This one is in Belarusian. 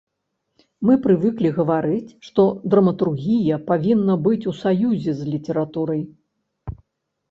Мы прывыклі гаварыць, што драматургія павінна быць у саюзе з літаратурай.